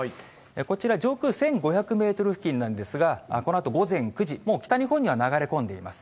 こちら、上空１５００メートル付近なんですが、このあと午前９時、もう北日本には流れ込んでいます。